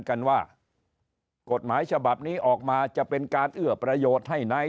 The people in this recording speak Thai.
กันว่ากฎหมายฉบับนี้ออกมาจะเป็นการเอื้อประโยชน์ให้ไหน